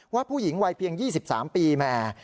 ว่าผู้หญิงวัยเพียง๒๓ปีแหม